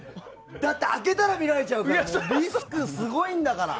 だって開けたら見られちゃうからリスクすごいんだから。